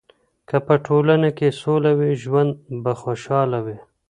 که په ټولنه کې سوله وي، ژوند به خوشحاله وي.